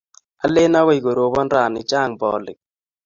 Alen akoy koropon rani, chang' polik.